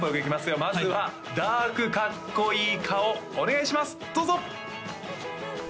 まずはダークかっこいい顔お願いしますどうぞ！